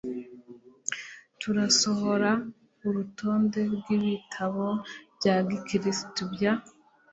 Turasohora urutonde rwibitabo bya gikirisitu bya